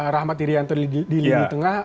rahmat irianto di lini tengah